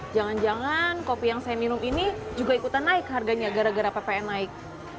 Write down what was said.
jangan jangan kopi yang saya minum ini juga ikutan naik harganya gara gara ppn naik